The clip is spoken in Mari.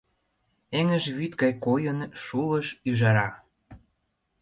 Эҥыж вӱд гай койын, шулыш ӱжара.